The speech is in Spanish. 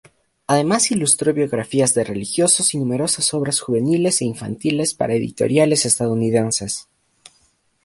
Además ilustró biografías de religiosos y numerosas obras juveniles e infantiles para editoriales estadounidenses.